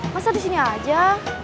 masa disini aja